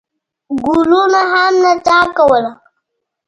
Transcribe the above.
ګلونو هم نڅا کوله.